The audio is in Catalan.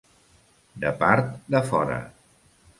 De part de fora.